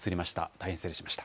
大変失礼しました。